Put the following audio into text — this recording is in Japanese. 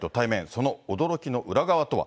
その驚きの裏側とは。